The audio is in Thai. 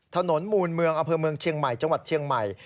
ถนนมูลเมืองอำเภอเมืองเชียงใหม่จังหวัดเชียงใหม่